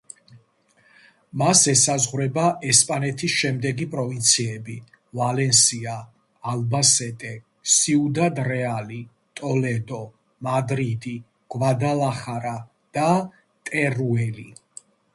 მას ესაზღვრება ესპანეთის შემდეგი პროვინციები: ვალენსია, ალბასეტე, სიუდად-რეალი, ტოლედო, მადრიდი, გვადალახარა და ტერუელი.